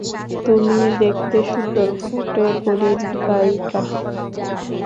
তুমি দেখতে সুন্দর, ফুটে-কড়ির গায়িকা।